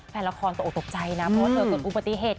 แฟนละครตกตกใจเพราะเธอกดอุบัติเหตุ